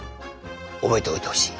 覚えておいてほしい！